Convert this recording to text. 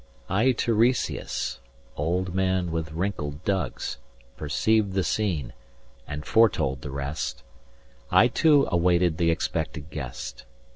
I Tiresias, old man with wrinkled dugs Perceived the scene, and foretold the rest— I too awaited the expected guest.